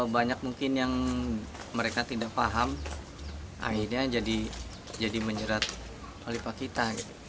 banyak mungkin yang mereka tidak paham akhirnya jadi menjerat oleh pak kita